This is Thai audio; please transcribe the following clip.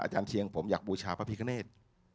อาจารย์เชียงผมอยากบูชาพระพิกเนต